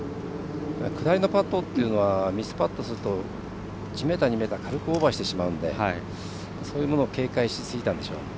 下りのパットというのはミスパットすると１ｍ、２ｍ軽くオーバーしてしまうのでそういうものを警戒しすぎたんでしょう。